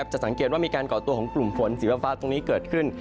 จะสังเกตว่ามีการก่อตัวของกลุ่มฝนสีฟ้าตรงนี้เกิดขึ้น